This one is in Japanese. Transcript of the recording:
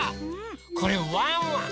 これワンワン！